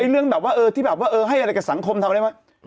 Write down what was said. เรื่องแบบว่าให้อะไรกับสังคมทำอะไร